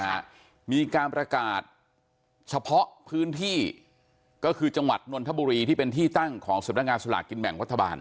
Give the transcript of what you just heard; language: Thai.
นะฮะมีการประกาศเฉพาะพื้นที่ก็คือจังหวัดนนทบุรีที่เป็นที่ตั้งของสำนักงานสลากกินแบ่งรัฐบาล